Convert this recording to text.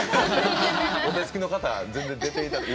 お手すきの方全然、出ていただいて。